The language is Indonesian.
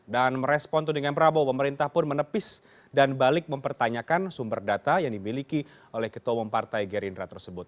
dan merespon dengan prabowo pemerintah pun menepis dan balik mempertanyakan sumber data yang dimiliki oleh ketua umum partai gerindra tersebut